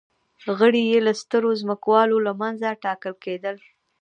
غړي یې له سترو ځمکوالو له منځه ټاکل کېدل